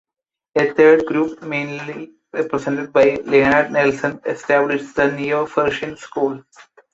A third group, mainly represented by Leonard Nelson, established the Neo-Friesian School.